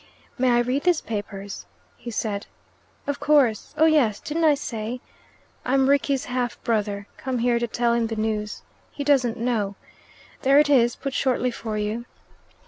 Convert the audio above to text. "May I read these papers?" he said. "Of course. Oh yes; didn't I say? I'm Rickie's half brother, come here to tell him the news. He doesn't know. There it is, put shortly for you.